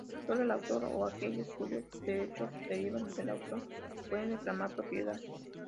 Solo el autor o aquellos cuyos derechos derivan del autor pueden reclamar propiedad.